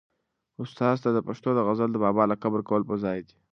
استاد ته د پښتو د غزل د بابا لقب ورکول په ځای دي.